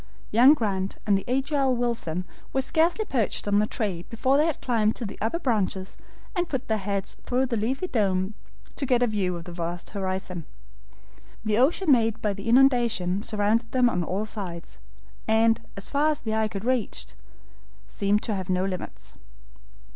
Young Grant and the agile Wilson were scarcely perched on the tree before they had climbed to the upper branches and put their heads through the leafy dome to get a view of the vast horizon. The ocean made by the inundation surrounded them on all sides, and, far as the eye could reach, seemed to have no limits.